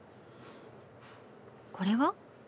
これは？